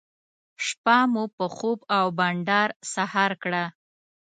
شپه مو په خوب او بانډار سهار کړه.